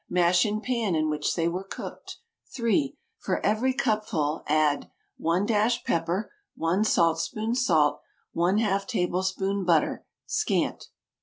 Mash in pan in which they were cooked. 3. For every cupful, add 1 dash pepper, 1 saltspoon salt, ½ tablespoon butter (scant).